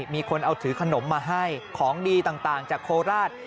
มีคนเอาถือขนมมาให้ของดีต่างจากโคราช